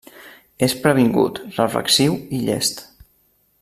És previngut, reflexiu i llest.